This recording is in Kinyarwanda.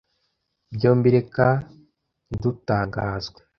byombi reka ntidutangazwe